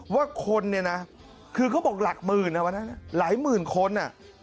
ว่าคนเนี่ยนะคือเขาบอกหลักหมื่นนะวันนั้นหลายหมื่นคนอ่ะ